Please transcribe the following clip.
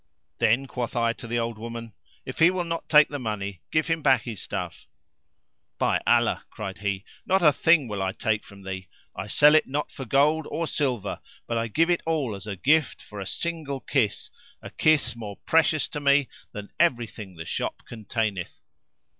Then quoth I to the old woman, "If he will not take the money, give him back his stuff." "By Allah," cried he, "not a thing will I take from thee: I sell it not for gold or for silver, but I give it all as a gift for a single kiss; a kiss more precious to me than everything the shop containeth."